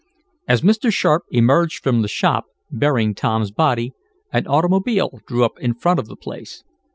As Mr. Sharp emerged from the shop, bearing Tom's body, an automobile drew up in front of the place.